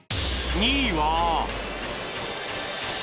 ２位は